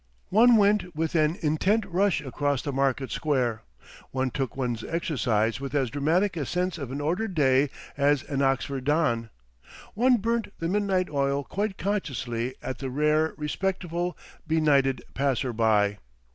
One went with an intent rush across the market square, one took one's exercise with as dramatic a sense of an ordered day as an Oxford don, one burnt the midnight oil quite consciously at the rare respectful, benighted passer by.